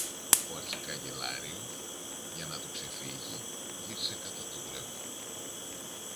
ο αρχικαγκελάριος, για να του ξεφύγει, γύρισε κατά τον γκρεμό